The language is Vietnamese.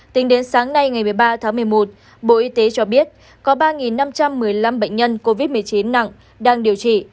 tính đến sáng nay ngày một mươi ba tháng một mươi một bộ y tế cho biết có ba năm trăm một mươi năm bệnh nhân covid một mươi chín nặng đang điều trị